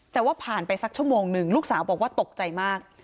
แต่ว่าผ่านไปสักชั่วโมงหนึ่งลูกสาวบอกว่าตกใจมาก